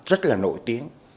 rất là nổi tiếng